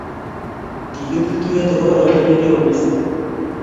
Kigitil tuiyet agobo robta nikioo misiing